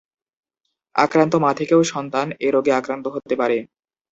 আক্রান্ত মা থেকেও সন্তান এ রোগে আক্রান্ত হতে পারে।